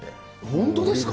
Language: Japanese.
本当ですか？